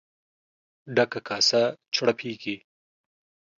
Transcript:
ډکه کاسه چړپېږي.